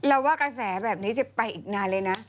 เราว่ากระแสแบบนี้จะไปอีกนานเลยนะ